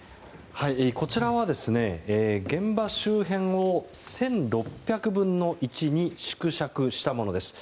こちらは現場周辺を１６００分の１に縮尺したものです。